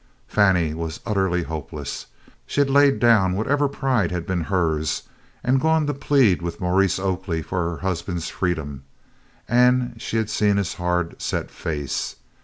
Fannie was utterly hopeless. She had laid down whatever pride had been hers and gone to plead with Maurice Oakley for her husband's freedom, and she had seen his hard, set face.